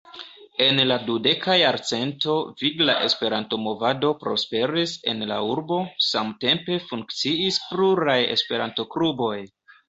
En la dudeka jarcento vigla Esperanto-movado prosperis en la urbo, samtempe funkciis pluraj Esperanto-kluboj.